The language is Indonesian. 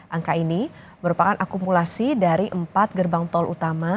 angka ini merupakan akumulasi dari empat gerbang tol utama